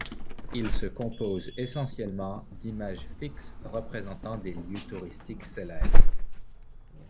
Il se compose essentiellement d'images fixes représentant des lieux touristiques célèbres.